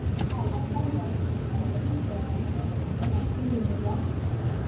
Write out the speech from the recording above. aa la kwanza na la kustaajabisha tunaweza kasema hii ni la